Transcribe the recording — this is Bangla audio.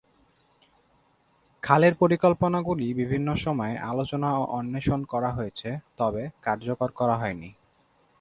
খালের পরিকল্পনাগুলি বিভিন্ন সময়ে আলোচনা ও অন্বেষণ করা হয়েছে, তবে কার্যকর করা হয়নি।